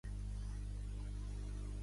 Va néixer a Jaén.